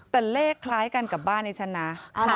แต่เลขคล้ายกันกับบ้านนี้ฉันนะ